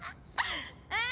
え？